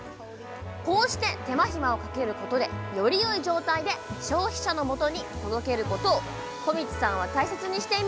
こうして手間暇をかけることでよりよい状態で消費者のもとに届けることを小道さんは大切にしていました。